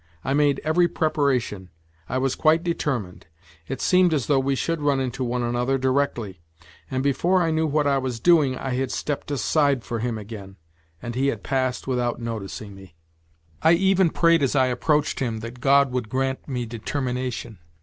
I made every pre paration, I was quite determined it seemed as though we should run into one another directly and before I knew what 92 NOTES FROM UNDERGROUND I was doing I had stepped aside for him again and he had passed Avithout noticing me. I even prayed as I approached him that God would grant me determination.